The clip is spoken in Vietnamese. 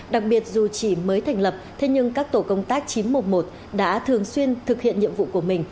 đặc biệt dù chỉ mới thành lập thế nhưng các tổ công tác chín trăm một mươi một đã thường xuyên thực hiện nhiệm vụ của mình